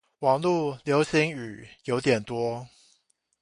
網路流行語有點多